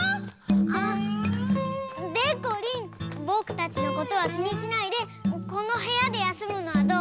あっでこりんボクたちのことはきにしないでこのへやでやすむのはどう？